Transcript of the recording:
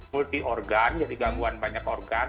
multi organ jadi gangguan banyak organ